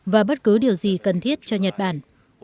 và bất cứ điều gì cần thiết cho nhật bản